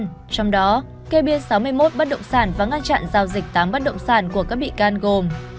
trong đó kê biên sáu mươi một bắt động sản và ngăn chặn giao dịch tám bắt động sản của các bị can gồm